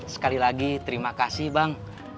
sekali lagi terima kasih bang